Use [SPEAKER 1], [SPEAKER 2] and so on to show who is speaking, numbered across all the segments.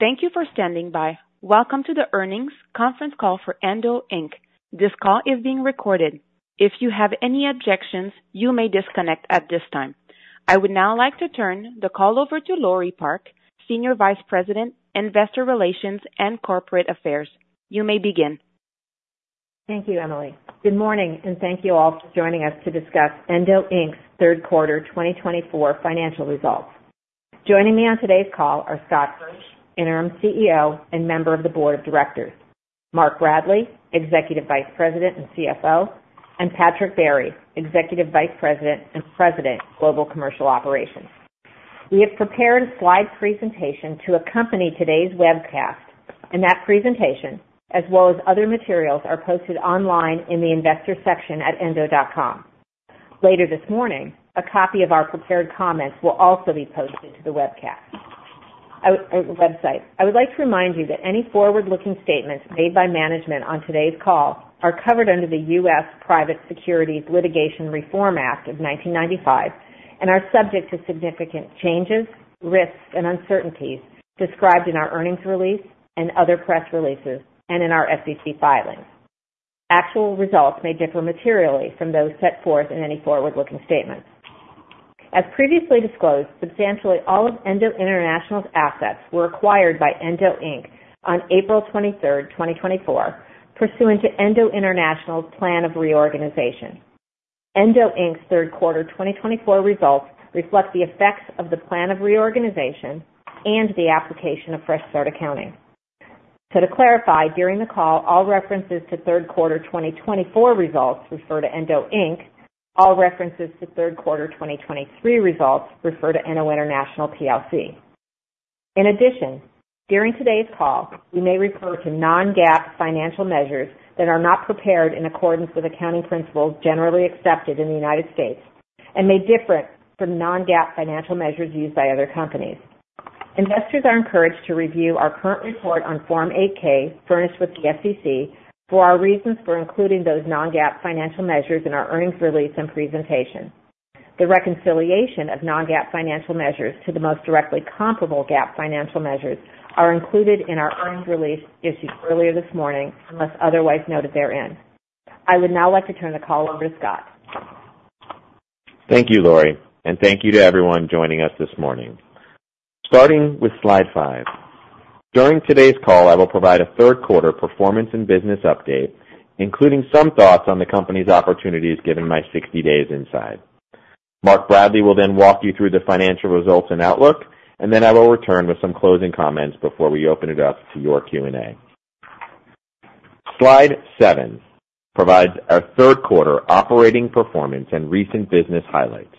[SPEAKER 1] Thank you for standing by. Welcome to the Earnings Conference Call for Endo Inc. This call is being recorded. If you have any objections, you may disconnect at this time. I would now like to turn the call over to Lori Park, Senior Vice President, Investor Relations and Corporate Affairs. You may begin.
[SPEAKER 2] Thank you, Emily. Good morning, and thank you all for joining us to discuss Endo Inc.'s Third Quarter 2024 Financial Results. Joining me on today's call are Scott Hirsch, Interim CEO and member of the Board of Directors, Mark Bradley, Executive Vice President and CFO, and Patrick Barry, Executive Vice President and President of Global Commercial Operations. We have prepared a slide presentation to accompany today's webcast, and that presentation, as well as other materials, are posted online in the investor section at endo.com. Later this morning, a copy of our prepared comments will also be posted to the website. I would like to remind you that any forward-looking statements made by management on today's call are covered under the U.S. Private Securities Litigation Reform Act of 1995 and are subject to significant changes, risks, and uncertainties described in our earnings release and other press releases, and in our SEC filings. Actual results may differ materially from those set forth in any forward-looking statements. As previously disclosed, substantially all of Endo International's assets were acquired by Endo Inc. on April 23, 2024, pursuant to Endo International's plan of reorganization. Endo Inc.'s third quarter 2024 results reflect the effects of the plan of reorganization and the application of fresh start accounting. So, to clarify, during the call, all references to third quarter 2024 results refer to Endo Inc.; all references to third quarter 2023 results refer to Endo International plc. In addition, during today's call, we may refer to non-GAAP financial measures that are not prepared in accordance with accounting principles generally accepted in the United States and may differ from non-GAAP financial measures used by other companies. Investors are encouraged to review our current report on Form 8-K, furnished with the SEC, for our reasons for including those non-GAAP financial measures in our earnings release and presentation. The reconciliation of non-GAAP financial measures to the most directly comparable GAAP financial measures is included in our earnings release issued earlier this morning unless otherwise noted therein. I would now like to turn the call over to Scott.
[SPEAKER 3] Thank you, Lori, and thank you to everyone joining us this morning. Starting with slide five. During today's call, I will provide a third quarter performance and business update, including some thoughts on the company's opportunities given my 60 days inside. Mark Bradley will then walk you through the financial results and outlook, and then I will return with some closing comments before we open it up to your Q&A. Slide seven provides our third quarter operating performance and recent business highlights.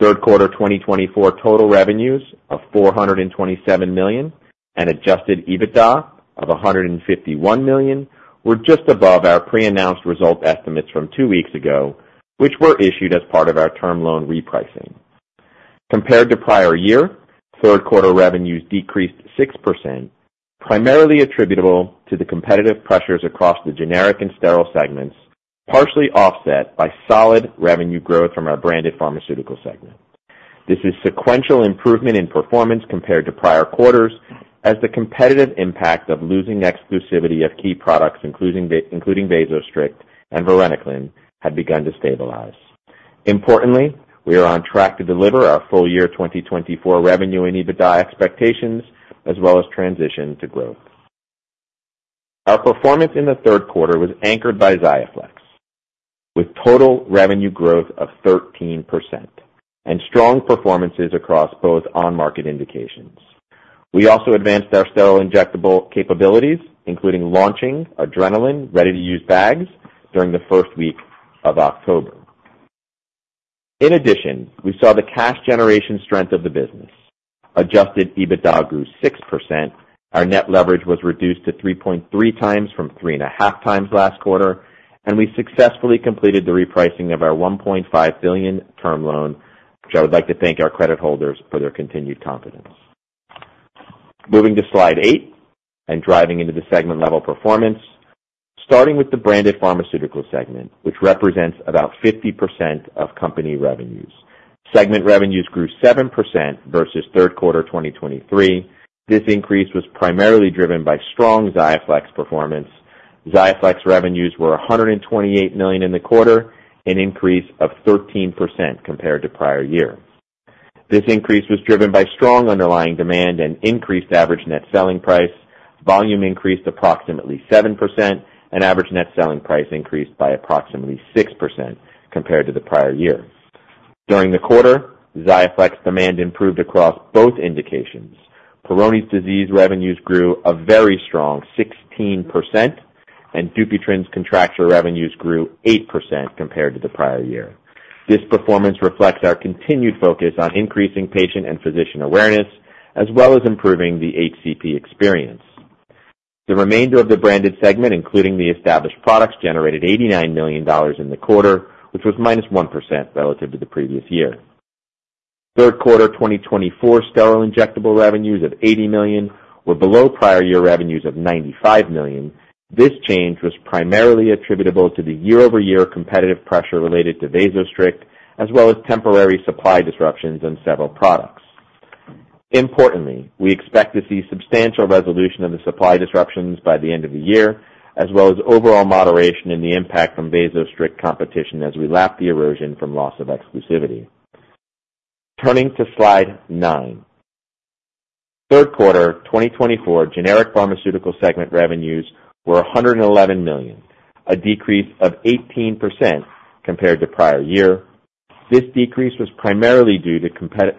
[SPEAKER 3] Third quarter 2024 total revenues of $427 million and Adjusted EBITDA of $151 million were just above our pre-announced result estimates from two weeks ago, which were issued as part of our term loan repricing. Compared to prior year, third quarter revenues decreased 6%, primarily attributable to the competitive pressures across the generic and sterile segments, partially offset by solid revenue growth from our branded pharmaceutical segment. This is sequential improvement in performance compared to prior quarters, as the competitive impact of losing exclusivity of key products, including vasostrict and varenicline, had begun to stabilize. Importantly, we are on track to deliver our full year 2024 revenue and EBITDA expectations, as well as transition to growth. Our performance in the third quarter was anchored by Xiaflex, with total revenue growth of 13% and strong performances across both on-market indications. We also advanced our sterile injectable capabilities, including launching adrenaline ready-to-use bags during the first week of October. In addition, we saw the cash generation strength of the business. Adjusted EBITDA grew 6%, our net leverage was reduced to 3.3x from 3.5x last quarter, and we successfully completed the repricing of our $1.5 billion term loan, which I would like to thank our credit holders for their continued confidence. Moving to slide eight and driving into the segment-level performance, starting with the branded pharmaceutical segment, which represents about 50% of company revenues. Segment revenues grew 7% versus third quarter 2023. This increase was primarily driven by strong Xiaflex performance. Xiaflex revenues were $128 million in the quarter, an increase of 13% compared to prior year. This increase was driven by strong underlying demand and increased average net selling price. Volume increased approximately 7%, and average net selling price increased by approximately 6% compared to the prior year. During the quarter, Xiaflex demand improved across both indications. Peyronie's disease revenues grew a very strong 16%, and Dupuytren's contracture revenues grew 8% compared to the prior year. This performance reflects our continued focus on increasing patient and physician awareness, as well as improving the HCP experience. The remainder of the branded segment, including the established products, generated $89 million in the quarter, which was -1% relative to the previous year. Third quarter 2024 sterile injectable revenues of $80 million were below prior year revenues of $95 million. This change was primarily attributable to the year-over-year competitive pressure related to vasostrict, as well as temporary supply disruptions in several products. Importantly, we expect to see substantial resolution of the supply disruptions by the end of the year, as well as overall moderation in the impact from vasostrict competition as we lap the erosion from loss of exclusivity. Turning to slide nine, third quarter 2024 generic pharmaceutical segment revenues were $111 million, a decrease of 18% compared to prior year. This decrease was primarily due to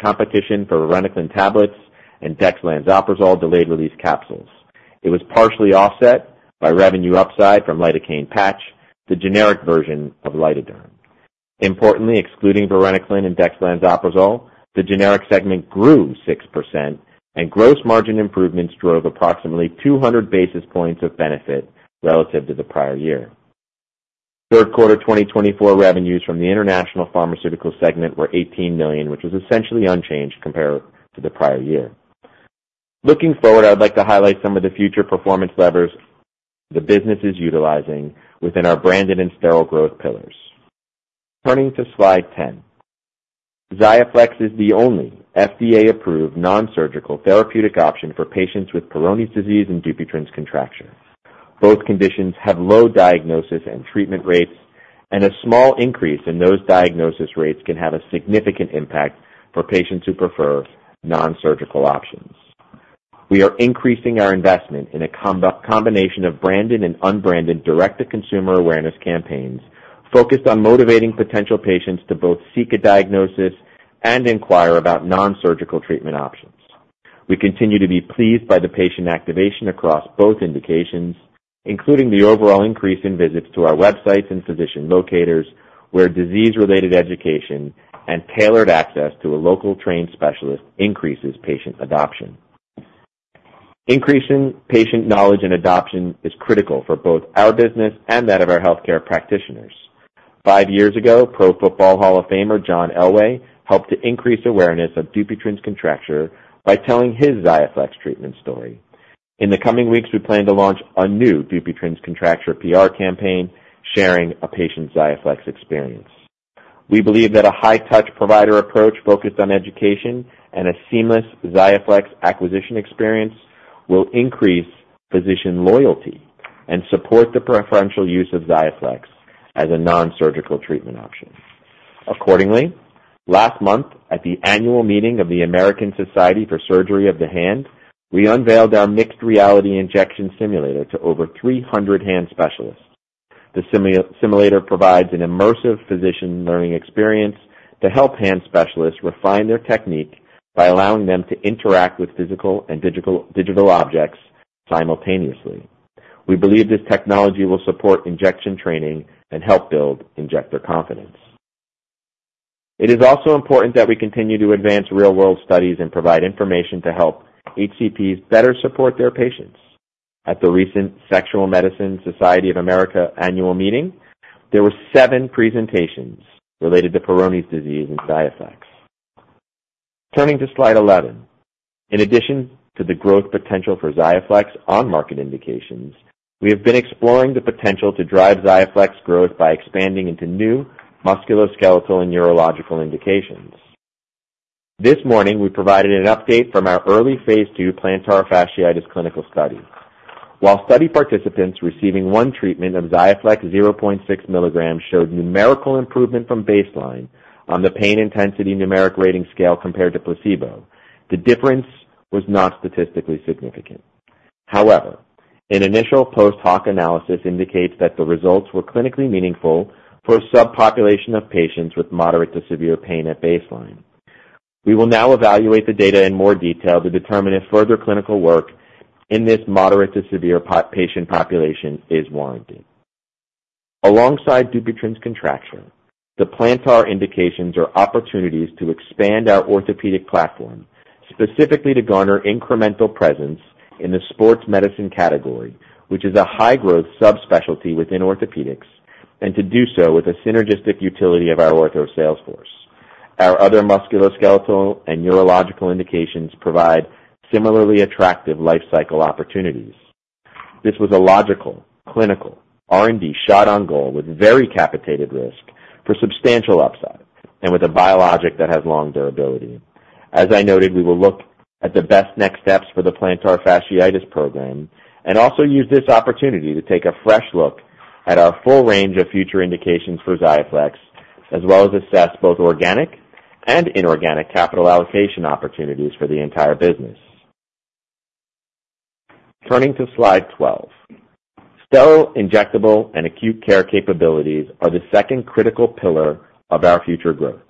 [SPEAKER 3] competition for varenicline tablets and dexlanzoprazole delayed-release capsules. It was partially offset by revenue upside from lidocaine patch, the generic version of Lidoderm. Importantly, excluding varenicline and dexlanzoprazole, the generic segment grew 6%, and gross margin improvements drove approximately 200 basis points of benefit relative to the prior year. Third quarter 2024 revenues from the international pharmaceutical segment were $18 million, which was essentially unchanged compared to the prior year. Looking forward, I would like to highlight some of the future performance levers the business is utilizing within our branded and sterile growth pillars. Turning to slide 10, Xiaflex is the only FDA-approved non-surgical therapeutic option for patients with Peyronie's disease and Dupuytren's contracture. Both conditions have low diagnosis and treatment rates, and a small increase in those diagnosis rates can have a significant impact for patients who prefer non-surgical options. We are increasing our investment in a combination of branded and unbranded direct-to-consumer awareness campaigns focused on motivating potential patients to both seek a diagnosis and inquire about non-surgical treatment options. We continue to be pleased by the patient activation across both indications, including the overall increase in visits to our websites and physician locators, where disease-related education and tailored access to a local trained specialist increases patient adoption. Increasing patient knowledge and adoption is critical for both our business and that of our healthcare practitioners. Five years ago, Pro Football Hall of Famer John Elway helped to increase awareness of Dupuytren's contracture by telling his Xiaflex treatment story. In the coming weeks, we plan to launch a new Dupuytren's Contracture PR campaign sharing a patient's Xiaflex experience. We believe that a high-touch provider approach focused on education and a seamless Xiaflex acquisition experience will increase physician loyalty and support the preferential use of Xiaflex as a non-surgical treatment option. Accordingly, last month, at the annual meeting of the American Society for Surgery of the Hand, we unveiled our mixed reality injection simulator to over 300 hand specialists. The simulator provides an immersive physician learning experience to help hand specialists refine their technique by allowing them to interact with physical and digital objects simultaneously. We believe this technology will support injection training and help build injector confidence. It is also important that we continue to advance real-world studies and provide information to help HCPs better support their patients. At the recent Sexual Medicine Society of North America annual meeting, there were seven presentations related to Peyronie's disease and Xiaflex. Turning to slide 11, in addition to the growth potential for Xiaflex on-market indications, we have been exploring the potential to drive Xiaflex growth by expanding into new musculoskeletal and neurological indications. This morning, we provided an update from our early phase II plantar fasciitis clinical study. While study participants receiving one treatment of Xiaflex 0.6 milligrams showed numerical improvement from baseline on the pain intensity numeric rating scale compared to placebo, the difference was not statistically significant. However, an initial post-hoc analysis indicates that the results were clinically meaningful for a subpopulation of patients with moderate to severe pain at baseline. We will now evaluate the data in more detail to determine if further clinical work in this moderate to severe patient population is warranted. Alongside Dupuytren's contracture, the plantar indications are opportunities to expand our orthopedic platform, specifically to garner incremental presence in the sports medicine category, which is a high-growth subspecialty within orthopedics, and to do so with the synergistic utility of our ortho sales force. Our other musculoskeletal and neurological indications provide similarly attractive life cycle opportunities. This was a logical, clinical, R&D shot on goal with very capitated risk for substantial upside and with a biologic that has long durability. As I noted, we will look at the best next steps for the plantar fasciitis program and also use this opportunity to take a fresh look at our full range of future indications for Xiaflex, as well as assess both organic and inorganic capital allocation opportunities for the entire business. Turning to slide 12, sterile injectable and acute care capabilities are the second critical pillar of our future growth.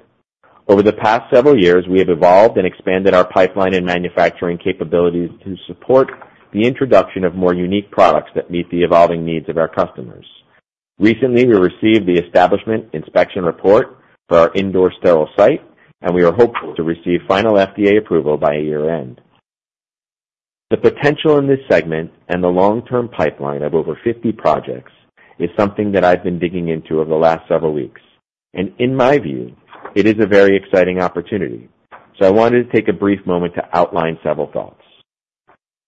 [SPEAKER 3] Over the past several years, we have evolved and expanded our pipeline and manufacturing capabilities to support the introduction of more unique products that meet the evolving needs of our customers. Recently, we received the establishment inspection report for our Indore sterile site, and we are hopeful to receive final FDA approval by year-end. The potential in this segment and the long-term pipeline of over 50 projects is something that I've been digging into over the last several weeks, and in my view, it is a very exciting opportunity. So I wanted to take a brief moment to outline several thoughts.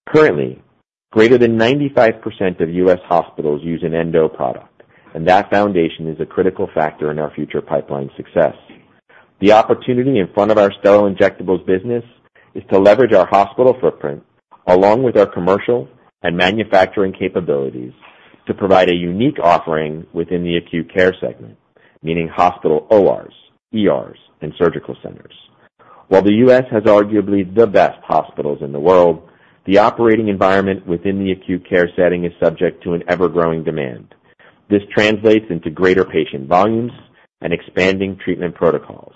[SPEAKER 3] Currently, greater than 95% of U.S. hospitals use an endo product, and that foundation is a critical factor in our future pipeline success. The opportunity in front of our sterile injectables business is to leverage our hospital footprint along with our commercial and manufacturing capabilities to provide a unique offering within the acute care segment, meaning hospital ORs, ERs, and surgical centers. While the U.S. has arguably the best hospitals in the world, the operating environment within the acute care setting is subject to an ever-growing demand. This translates into greater patient volumes and expanding treatment protocols.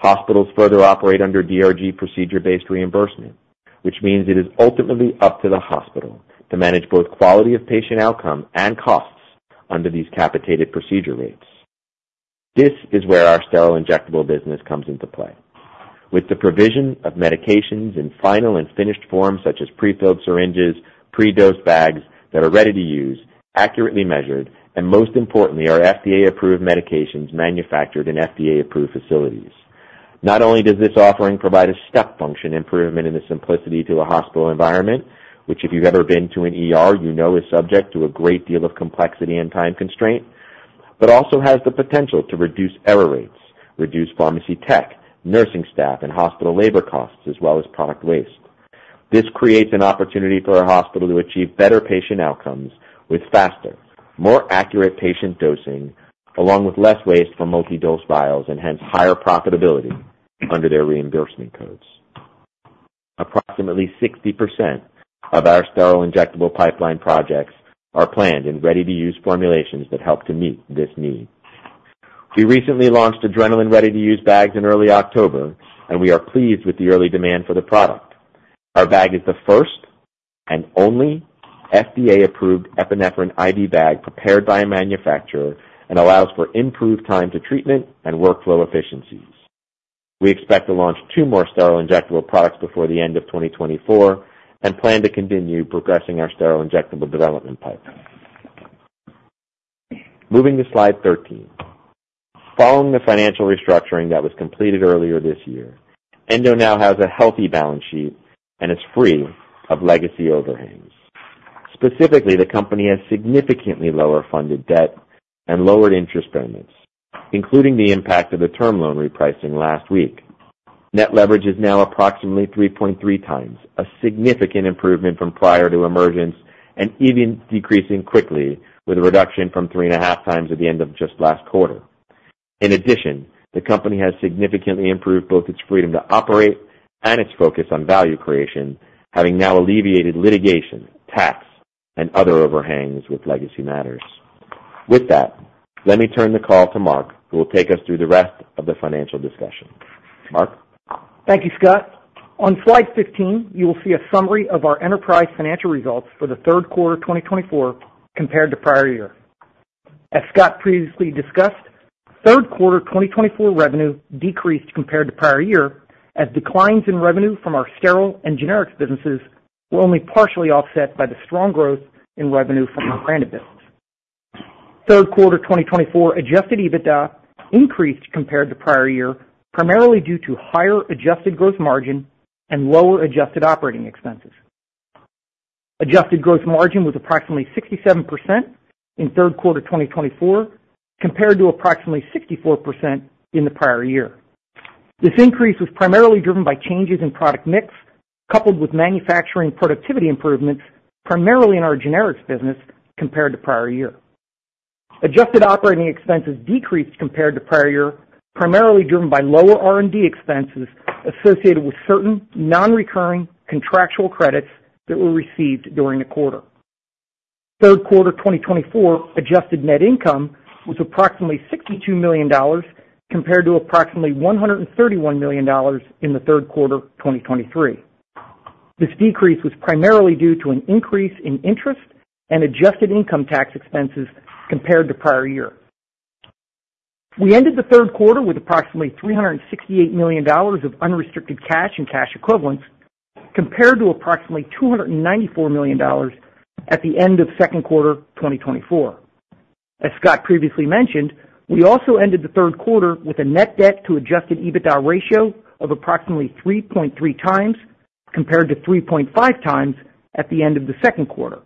[SPEAKER 3] Hospitals further operate under DRG procedure-based reimbursement, which means it is ultimately up to the hospital to manage both quality of patient outcome and costs under these capitated procedure rates. This is where our sterile injectable business comes into play. With the provision of medications in final and finished forms, such as prefilled syringes, pre-dosed bags that are ready to use, accurately measured, and most importantly, our FDA-approved medications manufactured in FDA-approved facilities. Not only does this offering provide a step function improvement in the simplicity to a hospital environment, which if you've ever been to one you know is subject to a great deal of complexity and time constraint, but also has the potential to reduce error rates, reduce pharmacy tech, nursing staff, and hospital labor costs, as well as product waste. This creates an opportunity for our hospital to achieve better patient outcomes with faster, more accurate patient dosing, along with less waste for multi-dose vials and hence higher profitability under their reimbursement codes. Approximately 60% of our sterile injectable pipeline projects are planned and ready-to-use formulations that help to meet this need. We recently launched adrenaline ready-to-use bags in early October, and we are pleased with the early demand for the product. Our bag is the first and only FDA-approved epinephrine IV bag prepared by a manufacturer and allows for improved time to treatment and workflow efficiencies. We expect to launch two more sterile injectable products before the end of 2024 and plan to continue progressing our sterile injectable development pipeline. Moving to slide 13, following the financial restructuring that was completed earlier this year, Endo now has a healthy balance sheet and is free of legacy overhangs. Specifically, the company has significantly lower funded debt and lowered interest payments, including the impact of the term loan repricing last week. Net leverage is now approximately 3.3x, a significant improvement from prior to emergence and even decreasing quickly with a reduction from three and a half times at the end of just last quarter. In addition, the company has significantly improved both its freedom to operate and its focus on value creation, having now alleviated litigation, tax, and other overhangs with legacy matters. With that, let me turn the call to Mark, who will take us through the rest of the financial discussion. Mark.
[SPEAKER 4] Thank you, Scott. On slide 15, you will see a summary of our enterprise financial results for the third quarter 2024 compared to prior year. As Scott previously discussed, third quarter 2024 revenue decreased compared to prior year as declines in revenue from our sterile and generics businesses were only partially offset by the strong growth in revenue from our branded business. Third quarter 2024 Adjusted EBITDA increased compared to prior year primarily due to higher Adjusted Gross Margin and lower adjusted operating expenses. Adjusted gross margin was approximately 67% in third quarter 2024 compared to approximately 64% in the prior year. This increase was primarily driven by changes in product mix coupled with manufacturing productivity improvements primarily in our generics business compared to prior year. Adjusted operating expenses decreased compared to prior year primarily driven by lower R&D expenses associated with certain non-recurring contractual credits that were received during the quarter. Third quarter 2024 adjusted net income was approximately $62 million compared to approximately $131 million in the third quarter 2023. This decrease was primarily due to an increase in interest and adjusted income tax expenses compared to prior year. We ended the third quarter with approximately $368 million of unrestricted cash and cash equivalents compared to approximately $294 million at the end of second quarter 2024. As Scott previously mentioned, we also ended the third quarter with a net debt to Adjusted EBITDA ratio of approximately 3.3x compared to 3.5x at the end of the second quarter.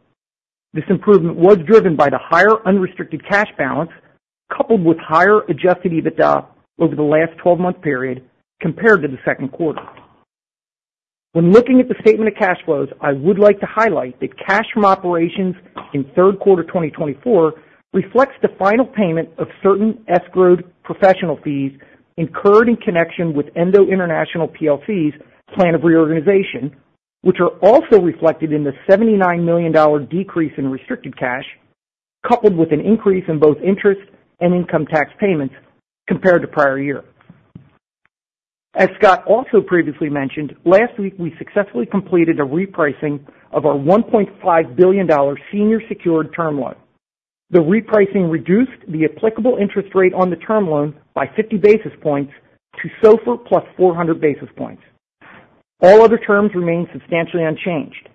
[SPEAKER 4] This improvement was driven by the higher unrestricted cash balance coupled with higher Adjusted EBITDA over the last 12-month period compared to the second quarter. When looking at the statement of cash flows, I would like to highlight that cash from operations in third quarter 2024 reflects the final payment of certain escrowed professional fees incurred in connection with Endo International plc's plan of reorganization, which are also reflected in the $79 million decrease in restricted cash coupled with an increase in both interest and income tax payments compared to prior year. As Scott also previously mentioned, last week we successfully completed a repricing of our $1.5 billion senior secured term loan. The repricing reduced the applicable interest rate on the term loan by 50 basis points to SOFR plus 400 basis points. All other terms remain substantially unchanged.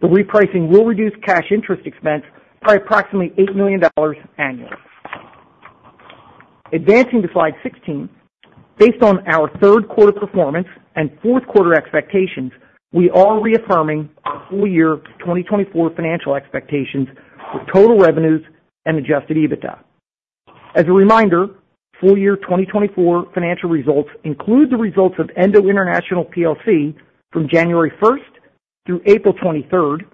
[SPEAKER 4] The repricing will reduce cash interest expense by approximately $8 million annually. Advancing to slide 16, based on our third quarter performance and fourth quarter expectations, we are reaffirming our full year 2024 financial expectations for total revenues and Adjusted EBITDA. As a reminder, full year 2024 financial results include the results of Endo International PLC from January 1st through April 23rd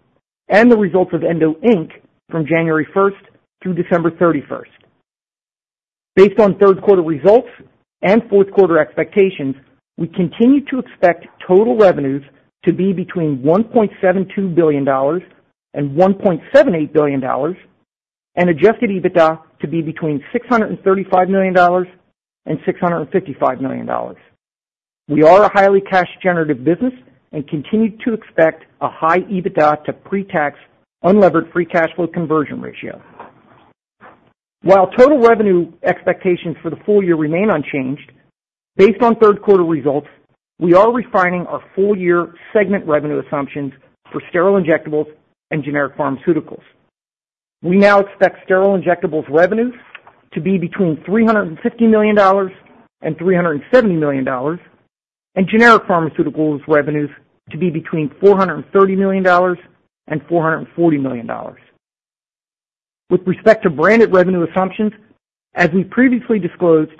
[SPEAKER 4] and the results of Endo Inc. from January 1st through December 31st. Based on third quarter results and fourth quarter expectations, we continue to expect total revenues to be between $1.72 billion and $1.78 billion and Adjusted EBITDA to be between $635 million and $655 million. We are a highly cash-generative business and continue to expect a high EBITDA to pre-tax Unlevered Free Cash Flow conversion ratio. While total revenue expectations for the full year remain unchanged, based on third quarter results, we are refining our full year segment revenue assumptions for sterile injectables and generic pharmaceuticals. We now expect sterile injectables revenues to be between $350 million and $370 million and generic pharmaceuticals revenues to be between $430 million and $440 million. With respect to branded revenue assumptions, as we previously disclosed,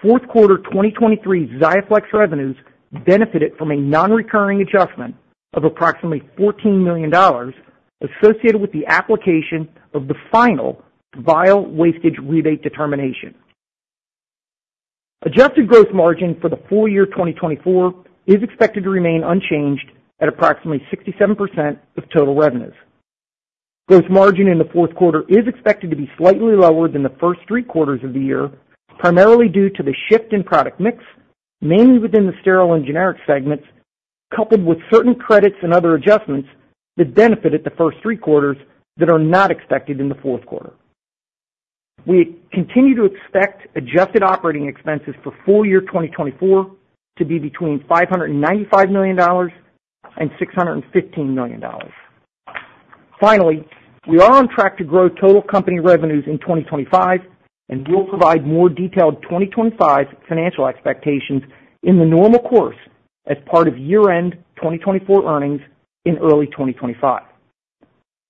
[SPEAKER 4] fourth quarter 2023 XIAFLEX revenues benefited from a non-recurring adjustment of approximately $14 million associated with the application of the final vial wastage rebate determination. Adjusted Gross Margin for the full year 2024 is expected to remain unchanged at approximately 67% of total revenues. Gross margin in the fourth quarter is expected to be slightly lower than the first three quarters of the year, primarily due to the shift in product mix, mainly within the sterile and generic segments, coupled with certain credits and other adjustments that benefited the first three quarters that are not expected in the fourth quarter. We continue to expect adjusted operating expenses for full year 2024 to be between $595 million and $615 million. Finally, we are on track to grow total company revenues in 2025 and will provide more detailed 2025 financial expectations in the normal course as part of year-end 2024 earnings in early 2025.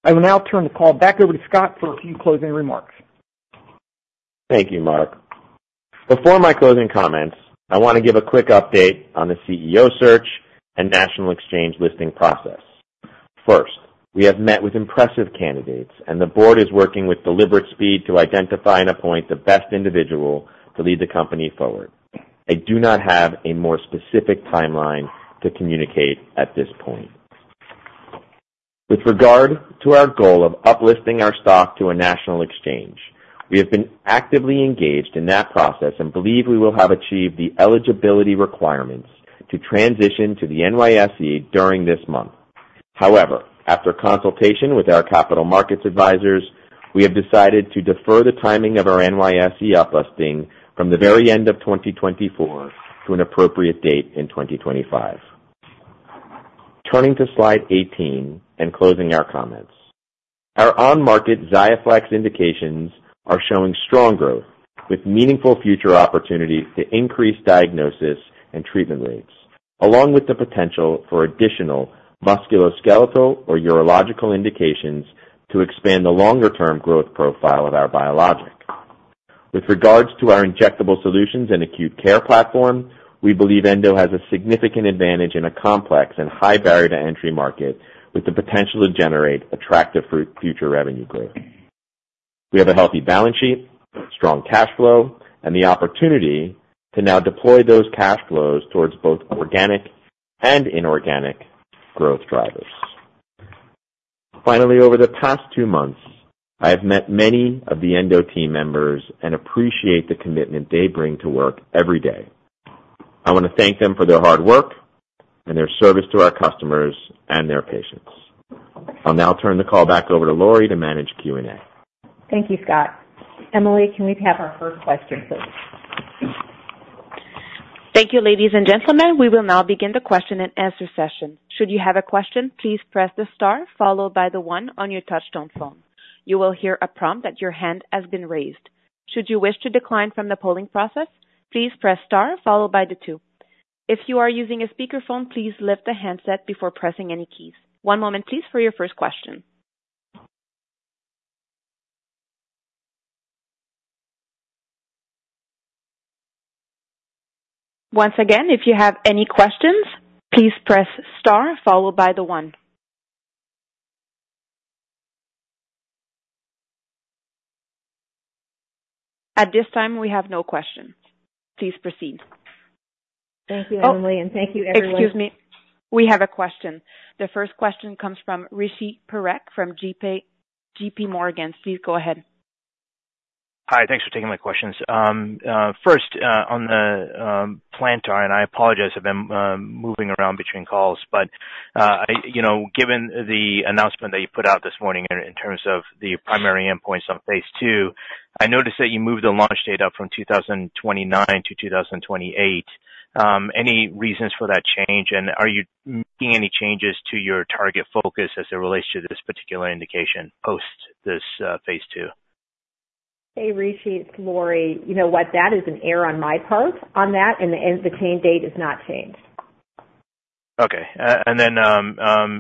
[SPEAKER 4] I will now turn the call back over to Scott for a few closing remarks.
[SPEAKER 3] Thank you, Mark. Before my closing comments, I want to give a quick update on the CEO search and national exchange listing process. First, we have met with impressive candidates, and the board is working with deliberate speed to identify and appoint the best individual to lead the company forward. I do not have a more specific timeline to communicate at this point. With regard to our goal of uplisting our stock to a national exchange, we have been actively engaged in that process and believe we will have achieved the eligibility requirements to transition to the NYSE during this month. However, after consultation with our capital markets advisors, we have decided to defer the timing of our NYSE uplisting from the very end of 2024 to an appropriate date in 2025. Turning to slide 18 and closing our comments. Our on-market Xiaflex indications are showing strong growth with meaningful future opportunities to increase diagnosis and treatment rates, along with the potential for additional musculoskeletal or urological indications to expand the longer-term growth profile of our biologic. With regards to our injectable solutions and acute care platform, we believe Endo has a significant advantage in a complex and high barrier-to-entry market with the potential to generate attractive future revenue growth. We have a healthy balance sheet, strong cash flow, and the opportunity to now deploy those cash flows towards both organic and inorganic growth drivers. Finally, over the past two months, I have met many of the Endo team members and appreciate the commitment they bring to work every day. I want to thank them for their hard work and their service to our customers and their patients. I'll now turn the call back over to Lori to manage Q&A.
[SPEAKER 2] Thank you, Scott. Emily, can we have our first question, please?
[SPEAKER 1] Thank you, ladies and gentlemen. We will now begin the question and answer session. Should you have a question, please press the star followed by the one on your touch-tone phone. You will hear a prompt that your hand has been raised. Should you wish to decline from the polling process, please press star followed by the two. If you are using a speakerphone, please lift the handset before pressing any keys. One moment, please, for your first question. Once again, if you have any questions, please press star followed by the one. At this time, we have no questions. Please proceed.
[SPEAKER 2] Thank you, Emily, and thank you, everyone.
[SPEAKER 1] Excuse me. We have a question. The first question comes from Rishi Parekh from JPMorgan. Please go ahead. Hi. Thanks for taking my questions.
[SPEAKER 5] First, on the plantar, and I apologize if I'm moving around between calls, but given the announcement that you put out this morning in terms of the primary endpoints on phase II, I noticed that you moved the launch date up from 2029 to 2028. Any reasons for that change, and are you making any changes to your target focus as it relates to this particular indication post this phase II?
[SPEAKER 2] Hey, Rishi, it's Lori. You know what? That is an error on my part on that, and the launch date has not changed.
[SPEAKER 5] Okay. And then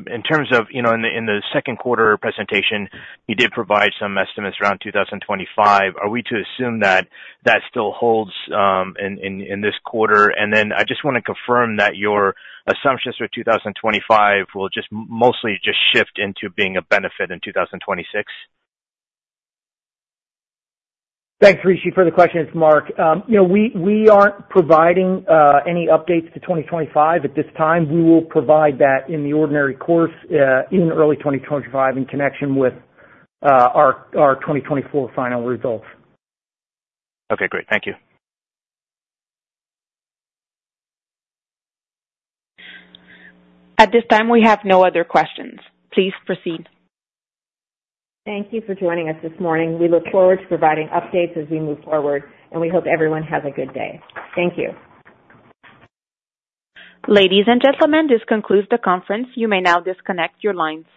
[SPEAKER 5] in terms of in the second quarter presentation, you did provide some estimates around 2025. Are we to assume that that still holds in this quarter? And then I just want to confirm that your assumptions for 2025 will just mostly just shift into being a benefit in 2026?
[SPEAKER 4] Thanks, Rishi for the question, it's Mark. We aren't providing any updates to 2025 at this time. We will provide that in the ordinary course in early 2025 in connection with our 2024 final results.
[SPEAKER 5] Okay. Great. Thank you.
[SPEAKER 1] At this time, we have no other questions. Please proceed.
[SPEAKER 2] Thank you for joining us this morning. We look forward to providing updates as we move forward, and we hope everyone has a good day. Thank you.
[SPEAKER 1] Ladies and gentlemen, this concludes the conference. You may now disconnect your lines.